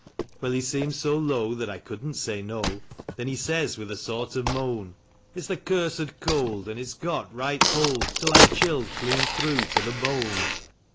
Well, he seemed so low that I couldn't say no ; then he says with a sort of moan: " It's the cursed cold, and it's got right hold till I'm chilled clean through to the bone.